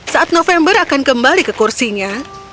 saat november akan kembali ke kursinya